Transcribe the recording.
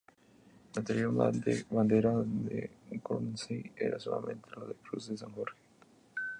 La anterior bandera de Guernsey era solamente la cruz de San Jorge.